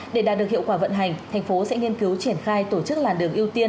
để đạt được hiệu quả vận hành thành phố sẽ nghiên cứu triển khai tổ chức làn đường ưu tiên